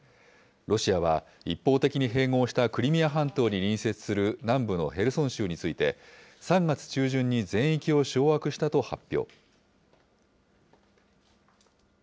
ロシアは、一方的に併合したクリミア半島に隣接する南部のヘルソン州について、３月中旬に全域を掌握したと発表。